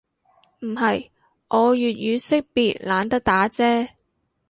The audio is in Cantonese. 唔係，我粵語識別懶得打啫